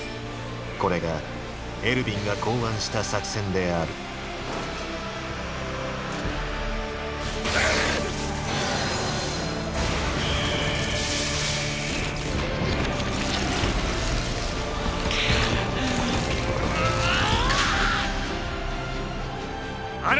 これがエルヴィンが考案した作戦であるぐっおおぉぉぉっ！！